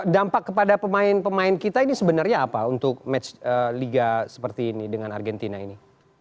dampak kepada pemain pemain kita ini sebenarnya apa untuk match liga seperti ini dengan argentina ini